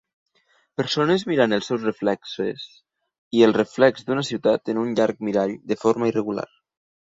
Persones mirant els seus reflexes i el reflex d'una ciutat en un llarg mirall de forma irregular.